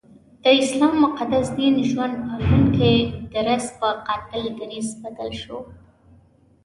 د اسلام مقدس دین ژوند پالونکی درځ پر قاتل دریځ بدل شو.